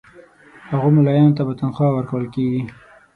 هغو مُلایانو ته به تنخوا ورکوله کیږي.